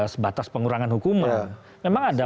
sebatas pengurangan hukuman memang ada